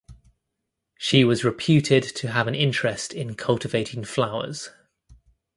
She was reputed to have an interest in cultivating flowers.